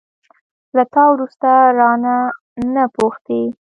له تا وروسته، رانه، نه پوښتي